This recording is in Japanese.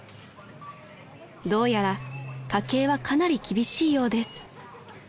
［どうやら家計はかなり厳しいようです］